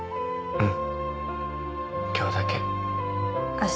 うん。